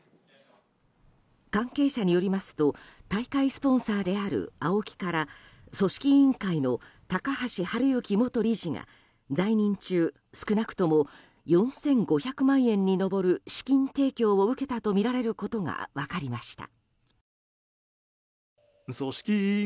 関係者によりますと大会スポンサーであるＡＯＫＩから組織委員会の高橋治之元理事が在任中、少なくとも４５００万円に上る資金提供を受けたとみられることが分かりました。